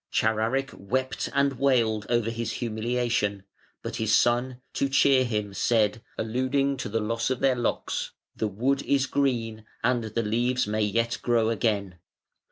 Chararic wept and wailed over his humiliation, but his son, to cheer him, said, alluding to the loss of their locks: "The wood is green, and the leaves may yet grow again.